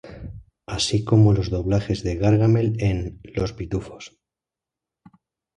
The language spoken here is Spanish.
Así como los doblajes de Gargamel en “Los Pitufos.